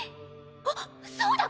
あっそうだ！